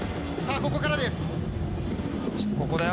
ここからです。